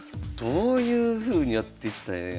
どういうふうにやっていったらええんやろう。